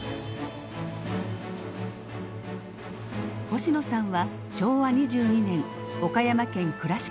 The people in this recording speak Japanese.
星野さんは昭和２２年岡山県倉敷市生まれ。